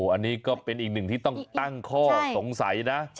อันนี้ก็เป็นอีกหนึ่งที่ต้องตั้งข้อสงสัยนะ